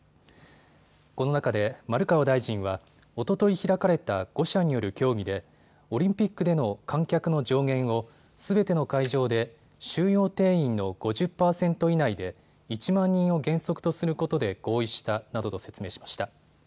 この中で、丸川大臣はおととい開かれた５者による協議でオリンピックでの観客の上限をすべての会場で収容定員の５０％以内で１万人を原則とすることで合意したなどと説明しました。